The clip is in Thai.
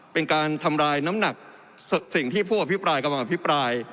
เป็นการทำลายน้ำหนักสิ่งที่ผู้อภิปรายกำลังอภิปราย